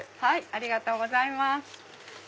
ありがとうございます。